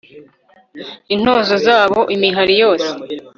Intozo zabo imihari yose